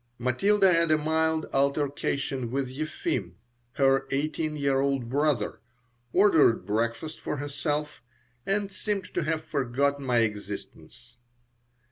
Matilda had a mild altercation with Yeffim, her eighteen year old brother, ordered breakfast for herself, and seemed to have forgotten my existence.